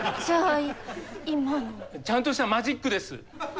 じゃあ今の。ちゃんとしたマジックです。